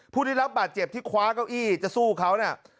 ผู้ที่รับบาดเจ็บที่ค้าเก้าอี้จะสู้เขา